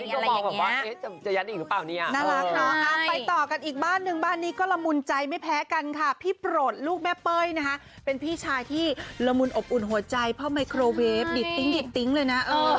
น่ารักมากไปต่อกันอีกบ้านหนึ่งบ้านนี้ก็ละมูลใจไม่แพ้กันค่ะพี่โปรดลูกแม่เป้ยนะคะเป็นพี่ชายที่ละมูลอบอุ่นหัวใจเพราะไมโครเวฟดิตติ้งเลยนะ